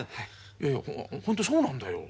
いや本当そうなんだよ。